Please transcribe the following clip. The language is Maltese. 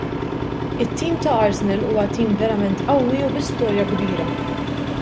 It-tim ta' Arsenal huwa tim verament qawwi u bi storja kbira.